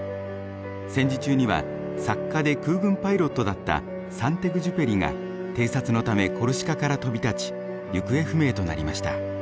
戦時中には作家で空軍パイロットだったサンテグジュペリが偵察のためコルシカから飛び立ち行方不明となりました。